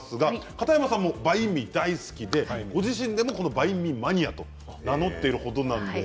片山さんもバインミーが大好きでご自身でバインミーマニアを名乗っている程なんです。